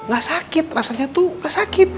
gak sakit rasanya tuh gak sakit